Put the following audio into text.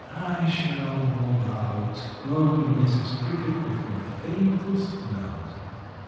"I shall move out," moaned Mrs. Cricket with her faintest note.